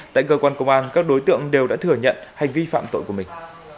tại cơ quan công an các đối tượng đều đã thừa nhận hành vi phạm tội của mình